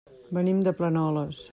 Venim de Planoles.